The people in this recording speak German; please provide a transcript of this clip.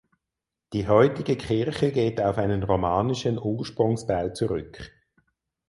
Die heutige Kirche geht auf einen romanischen Ursprungsbau zurück.